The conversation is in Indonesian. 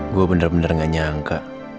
gue bener bener gak nyangka